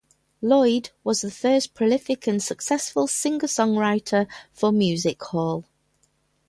Lloyd was the first prolific and successful singer-songwriter for music hall.